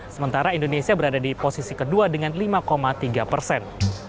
sementara indonesia berada di posisi kedua dengan lima tiga persen